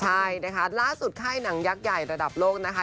ใช่นะคะล่าสุดค่ายหนังยักษ์ใหญ่ระดับโลกนะคะ